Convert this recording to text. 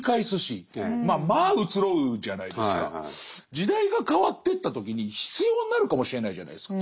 時代が変わってった時に必要になるかもしれないじゃないですか。